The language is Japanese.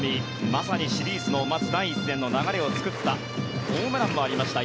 まさにシリーズのまず第１戦の流れを作ったホームランもありました。